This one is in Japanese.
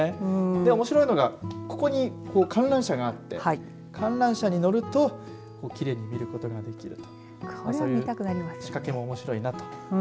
おもしろいのがここに観覧車があって観覧車に乗るときれいに見ることができると。